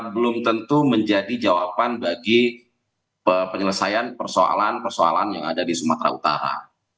belum tentu menjadi jawaban bagi penyelesaian persoalan persoalan yang ada di sumatera utara